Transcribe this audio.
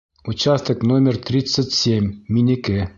Участок номер тридцать семь, минеке.